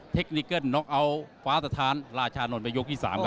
คนิเกิ้ลน็อกเอาท์ฟ้าสถานราชานนท์ไปยกที่๓ครับ